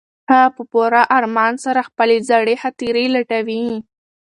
هغه په پوره ارمان سره خپلې زړې خاطرې لټوي.